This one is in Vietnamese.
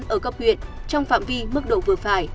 ở cấp huyện trong phạm vi mức độ vừa phải